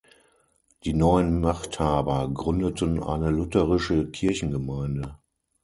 Die neuen Machthaber gründeten eine lutherische Kirchengemeinde.